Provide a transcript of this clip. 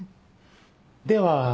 では